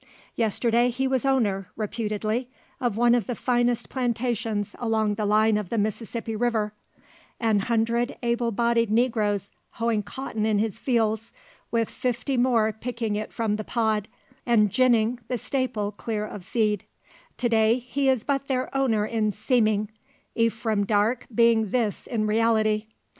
Yesterday, he was owner, reputedly, of one of the finest plantations along the line of the Mississippi river, an hundred able bodied negroes hoeing cotton in his fields, with fifty more picking it from the pod, and "ginning" the staple clear of seed; to day, he is but their owner in seeming, Ephraim Darke being this in reality.